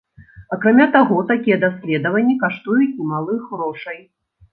Акрамя таго, такія даследаванні каштуюць немалых грошай.